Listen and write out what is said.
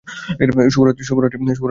শুভরাত্রি, মামুনি।